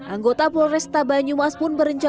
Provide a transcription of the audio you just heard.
anggota polres tabanyumas pun berencana